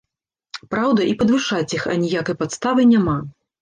Праўда, і падвышаць іх аніякай падставы няма.